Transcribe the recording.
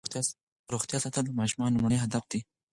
روغتیا ساتل د ماشومانو لومړنی هدف دی.